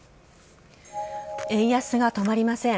円安が止まりません。